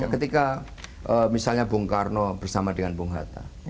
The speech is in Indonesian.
ketika misalnya bung karno bersama dengan bung hatta